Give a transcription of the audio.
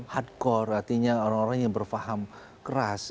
hardcore artinya orang orang yang berfaham keras